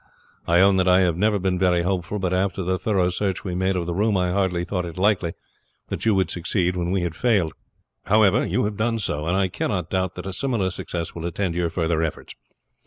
I own that I have never been very hopeful, for after the thorough search we made of the room I hardly thought it likely that you would succeed when we had failed; however, you have done so, and I cannot doubt that a similar success will attend your further efforts.